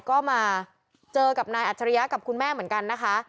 ก็มาเจอกับนายอัจฉริยะกับคุณแม่เหมือนกันนะคะ